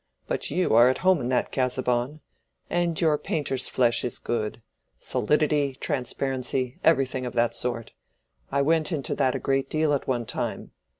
But you are at home in that, Casaubon. And your painter's flesh is good—solidity, transparency, everything of that sort. I went into that a great deal at one time.